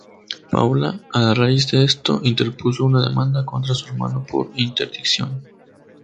Paola, a raíz de esto, interpuso una demanda contra su hermano por interdicción.